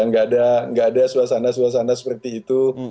nggak ada suasana suasana seperti itu